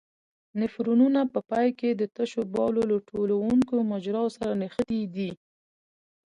نفرونونه په پای کې د تشو بولو له ټولوونکو مجراوو سره نښتي دي.